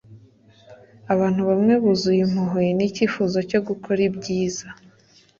abantu bamwe buzuye impuhwe n'icyifuzo cyo gukora ibyiza